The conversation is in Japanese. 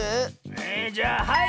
えじゃあはい！